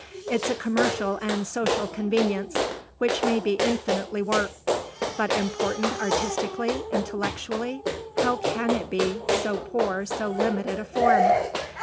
It's a commercial and social convenience which may be infinitely worked. But important artistically, intellectually? How can it be so poor, so limited a form?"